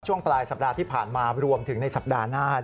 ช่วงปลายสัปดาห์ที่ผ่านมารวมถึงในสัปดาห์หน้า